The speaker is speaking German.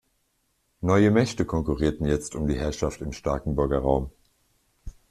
Neue Mächte konkurrierten jetzt um die Herrschaft im Starkenburger Raum.